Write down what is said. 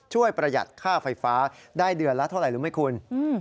ประหยัดค่าไฟฟ้าได้เดือนละเท่าไหร่รู้ไหมคุณ